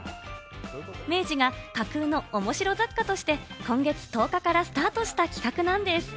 明治が架空のおもしろ雑貨として今月１０日からスタートした企画なんです。